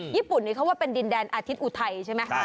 ญี่ปุ่นนี้เขาว่าเป็นดินแดนอาทิตย์อุทัยใช่ไหม